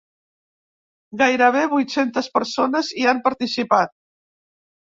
Gairebé vuit-centes persones hi han participat.